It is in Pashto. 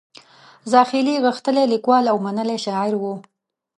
زاخیلي غښتلی لیکوال او منلی شاعر و.